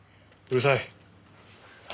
うるさい。